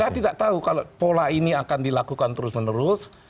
saya tidak tahu kalau pola ini akan dilakukan terus menerus